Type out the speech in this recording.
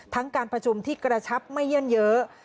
การประชุมที่กระชับไม่เยื่อนเยอะ